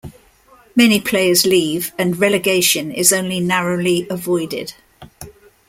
Many players leave, and relegation is only narrowly avoided.